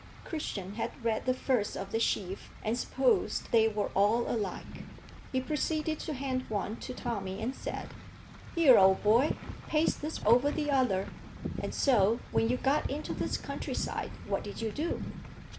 Christian had read the first of the sheaf, and supposed they were all alike. He proceeded to hand one to Tommy and said "Here, old boy, paste this over the other. And so, when you got into this country side, what did you do?"